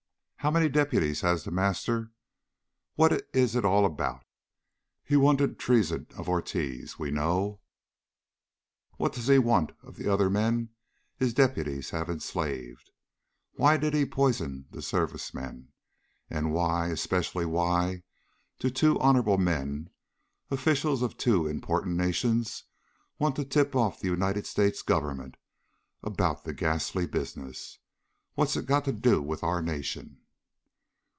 How many deputies has The Master? What's it all about? He wanted treason of Ortiz, we know. What does he want of the other men his deputies have enslaved? Why did he poison the Service men? And why especially why do two honorable men, officials of two important nations, want to tip off the United States Government about the ghastly business? What's it got to do with our nation?"